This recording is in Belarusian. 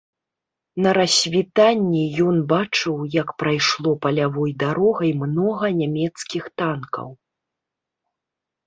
На рассвітанні ён бачыў, як прайшло палявой дарогай многа нямецкіх танкаў.